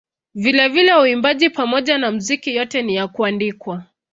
Vilevile uimbaji pamoja na muziki yote ni ya kuandikwa.